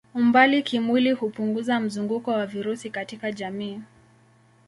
Umbali kimwili hupunguza mzunguko wa virusi katika jamii.